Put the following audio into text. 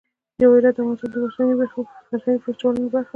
جواهرات د افغانستان د فرهنګي فستیوالونو برخه ده.